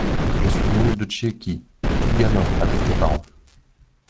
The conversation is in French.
Je suis venu de Tchéquie tout gamin, avec mes parents.